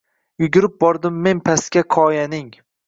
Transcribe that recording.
Yugurib bordim men pastga qoyaning —